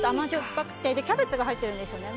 ぱくてキャベツが入ってるんですよね。